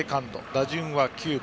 打順は９番。